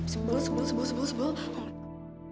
sebel sebel sebel sebel